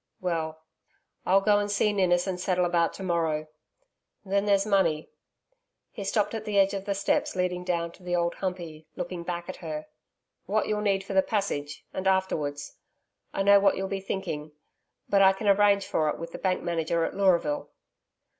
Well, I'll go and see Ninnis, and settle about to morrow.... Then there's money....' he stopped at the edge of the steps leading down to the Old Humpey, looking back at her 'what you'll need for the passage and afterwards I know what you'll be thinking; but I can arrange for it with the Bank manager at Leuraville.'